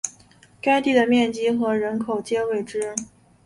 该地的面积和人口皆未知。